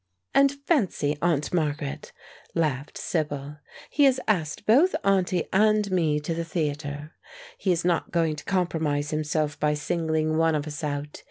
"And fancy, Aunt Margaret," laughed Sibyl, "he has asked both auntie and me to the theatre. He is not going to compromise himself by singling one of us out.